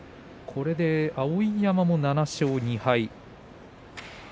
これで碧山も７勝２敗。